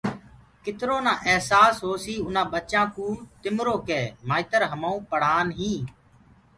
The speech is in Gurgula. ڪترو نآ اهسآس هوسيٚ اُنآ ٻچآنٚڪو تِمرو ڪي مآئترهمآئون پڙهآني